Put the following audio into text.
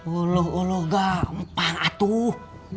uluh uluh gampang atuh